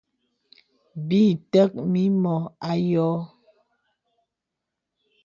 Bì tək mìmɔ a yɔ̄ɔ̄.